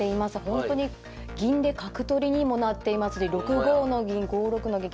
ほんとに銀で角取りにもなっていますし６五の銀５六の銀